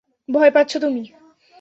ভয় পাচ্ছো তুমি।